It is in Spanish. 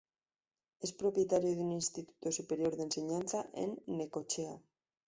Es propietario de un instituto superior de enseñanza en Necochea.